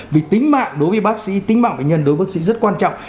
vì tính mạng đối với bác sĩ tính mạng bệnh nhân đối với bác sĩ rất quan trọng